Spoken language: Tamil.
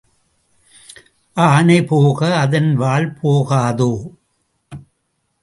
ஆனை போக அதன் வால் போகாதோ?